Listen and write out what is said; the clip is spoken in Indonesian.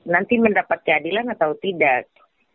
nanti mendapat keadilan atau tidak